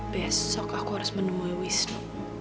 besok akan saya beli wisnu